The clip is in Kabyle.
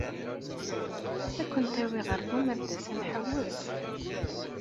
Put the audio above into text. Ad kent-awiɣ ɣer Bumerdas ad nḥewweṣ?